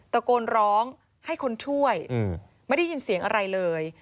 ตะโกนร้องให้คนช่วยไม่ได้ยินเสียงอะไรเลย